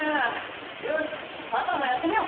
よしパパもやってみよう。